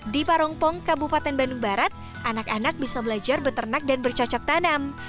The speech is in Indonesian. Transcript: di parongpong kabupaten bandung barat anak anak bisa belajar beternak dan bercocok tanam